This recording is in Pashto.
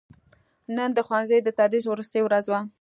نن دښوونځي دتدریس وروستې ورځ وه